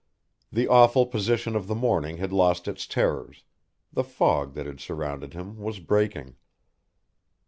The awful position of the morning had lost its terrors, the fog that had surrounded him was breaking.